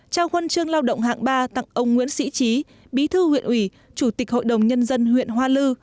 trao huân chương lao động hạng ba tặng ông nguyễn sĩ trí bí thư huyện ủy chủ tịch hội đồng nhân dân huyện hoa lư